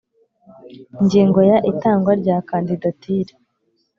Ingingo ya itangwa rya kandidatire